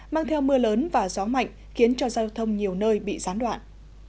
mang theo mưa lớn và gió mạnh khiến cho giao thông nhiều nơi bị gián đoạn